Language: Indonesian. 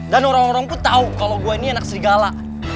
dan orang orang pun tau kalo gua ini anak serigala